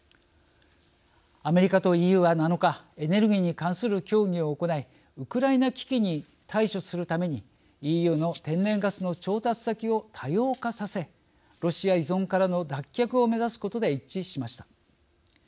アメリカとＥＵは７日エネルギーに関する協議を行いウクライナ危機に対処するためにＥＵの天然ガスの調達先を多様化させ、ロシア依存からの脱却を目指すことで一致しました。